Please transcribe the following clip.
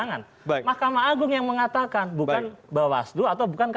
mahkamah agung yang mengatakan